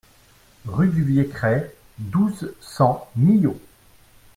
Rue du Vieux Crès, douze, cent Millau